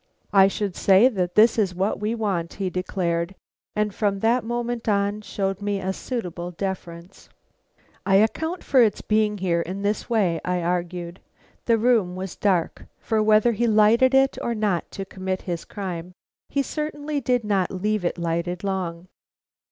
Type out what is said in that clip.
"I should say that this is what we want," he declared, and from that moment on showed me a suitable deference. "I account for its being there in this way," I argued. "The room was dark; for whether he lighted it or not to commit his crime, he certainly did not leave it lighted long.